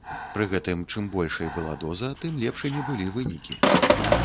Пры гэтым чым большай была доза, тым лепшымі былі вынікі.